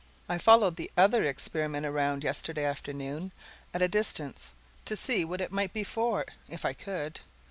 I followed the other Experiment around, yesterday afternoon, at a distance, to see what it might be for, if I could.